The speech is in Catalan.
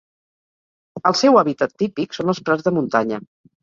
El seu hàbitat típic són els prats de muntanya.